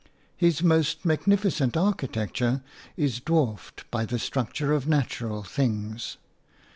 His most magnificent architecture is dwarfed by the structure of natural things.